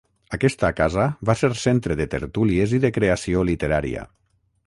Aquesta casa va ser centre de tertúlies i de creació literària.